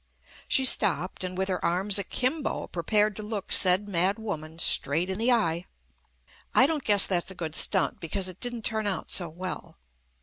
She stopped and with her arms akimbo prepared to look said mad woman "straight in the eye." I don't guess that's a good stunt because it didn't turn out so well.